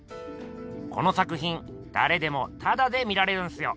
この作品だれでもタダで見られるんすよ。